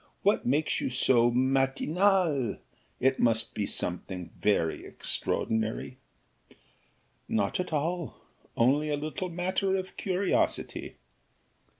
what makes you so matinale? It must be something very extraordinary." "Not at all, only a little matter of curiosity."